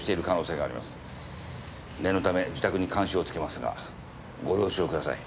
念のため自宅に監視を付けますがご了承ください。